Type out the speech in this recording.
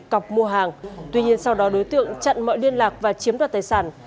cọc mua hàng tuy nhiên sau đó đối tượng chặn mọi liên lạc và chiếm đoạt tài sản